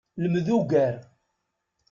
Lmed ugar.